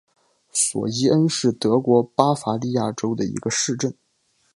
索伊恩是德国巴伐利亚州的一个市镇。